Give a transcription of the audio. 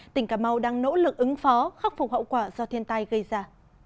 tỉnh cà mau đang nỗ lực ứng phó khắc phục hậu quả do thiên tai gây ra